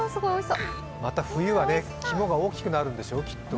また冬が肝が大きくなるんでしょう、きっと。